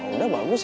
ya udah bagus ya